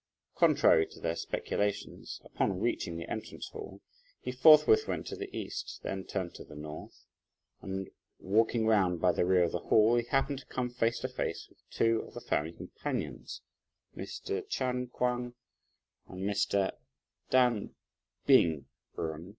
Contrary to their speculations, upon reaching the entrance hall, he forthwith went to the east, then turned to the north, and walking round by the rear of the hall, he happened to come face to face with two of the family companions, Mr. Ch'an Kuang, and Mr. Tan T'ing jen.